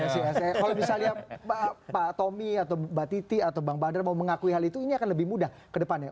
kalau misalnya pak tommy atau mbak titi atau bang badar mau mengakui hal itu ini akan lebih mudah ke depannya